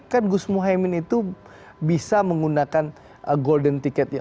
kan gus muhaymin itu bisa menggunakan golden ticket ya